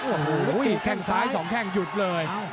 โอ้โหอีกแข่งซ้าย๒แข่งหยุดเลย